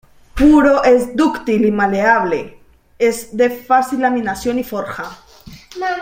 Puro es dúctil y maleable, es de fácil laminación y forja.